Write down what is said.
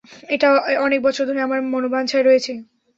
এটা অনেক বছর ধরে আমার মনোবাঞ্ছায় রয়েছে।